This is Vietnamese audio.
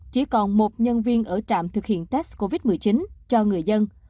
chỉ còn một nhân viên ở trạm thực hiện test covid một mươi chín cho người dân